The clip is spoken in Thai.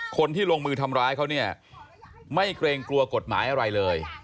คนที่ลงมือทำร้ายเขาเนี่ยไม่เกรงกลัวกฎหมายอะไรเลย